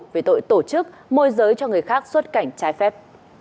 về tội tổ chức môi giới cho người khác xuất cảnh trái phép